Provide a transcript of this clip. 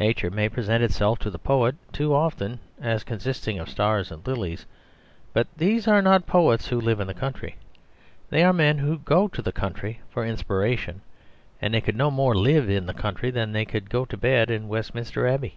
Nature may present itself to the poet too often as consisting of stars and lilies; but these are not poets who live in the country; they are men who go to the country for inspiration and could no more live in the country than they could go to bed in Westminster Abbey.